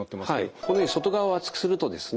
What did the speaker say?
このように外側を厚くするとですね